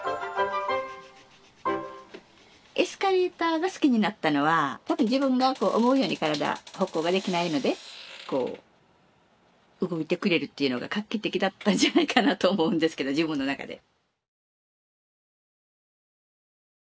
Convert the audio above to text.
エスカレーターが好きになったのは多分自分がこう思うように体歩行ができないのでこう動いてくれるっていうのが画期的だったんじゃないかなと思うんですけど自分の中で。